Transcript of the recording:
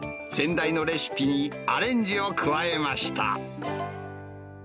仙台のレシピにアレンジを加えました。